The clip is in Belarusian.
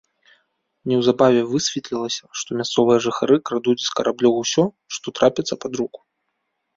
Неўзабаве высветлілася, што мясцовыя жыхары крадуць з караблёў усё, што трапіцца пад руку.